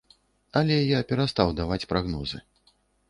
Але я перастаў даваць прагнозы.